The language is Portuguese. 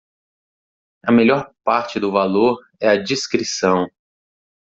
A melhor parte do valor é a discrição